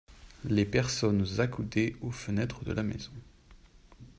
Les personnes accoudées aux fenêtres de la maison.